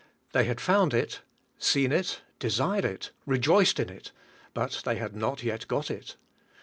They had found it, seen it, desired it, rejoiced in it; but they had not yet got it.